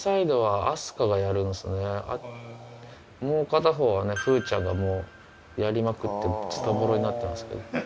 もう片方はね風ちゃんがやりまくってズタボロになってますけど。